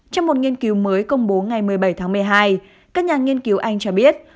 trong một nghiên cứu mới công bố ngày một mươi bảy tháng một mươi hai các nhà nghiên cứu anh cho biết